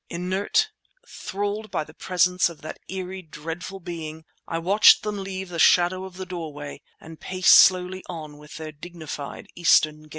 Inert, thralled by the presence of that eerie, dreadful being, I watched them leave the shadow of the doorway and pace slowly on with their dignified Eastern gait.